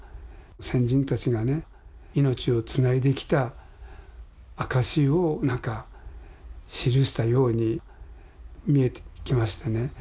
先人たちがね命をつないできた証しを何か記したように見えてきましてね。